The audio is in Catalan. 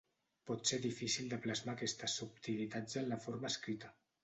Pot ser difícil de plasmar aquestes subtilitats en la forma escrita.